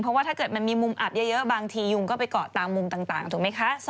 เพราะว่าถ้าเกิดมันมีมุมอับเยอะบางทียุงก็ไปเกาะตามมุมต่างถูกไหมคะ